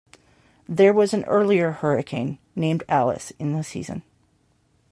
There was an earlier hurricane named Alice in the season.